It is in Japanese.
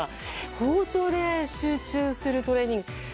包丁で集中するトレーニング。